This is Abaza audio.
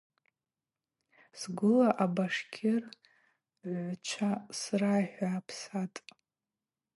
Сгвыла абашкир гӏвгӏвчва срайхӏвапсатӏ.